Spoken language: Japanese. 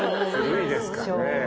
古いですかね。